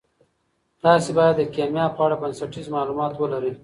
تاسي باید د کیمیا په اړه بنسټیز معلومات ولرئ.